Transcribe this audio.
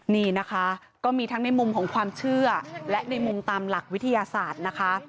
นี่นะคะก็มีทั้งในมุมของความเชื่อและในมุมตามหลักวิทยาศาสตร์นะคะ